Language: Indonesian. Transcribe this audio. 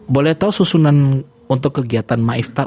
boleh tau susunan untuk kegiatan maiftar